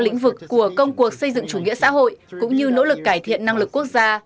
lĩnh vực của công cuộc xây dựng chủ nghĩa xã hội cũng như nỗ lực cải thiện năng lực quốc gia